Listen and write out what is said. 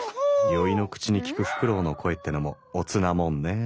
宵の口に聞くフクロウの声ってのもおつなもんねえ。